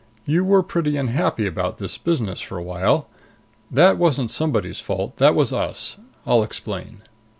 You were pretty unhappy about this business for a while. That wasn't somebody's fault. That was us. I'll explain.